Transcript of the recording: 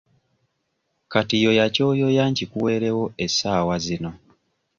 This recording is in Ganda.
Kati yoya ky'oyoya nkikuweerewo essaawa zino.